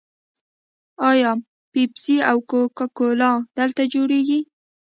آیا پیپسي او کوکا کولا دلته جوړیږي؟